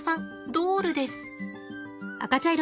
ドールです。